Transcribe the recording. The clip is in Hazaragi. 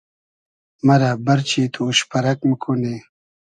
مئرۂ بئرچی تو اوش پئرئگ موکونی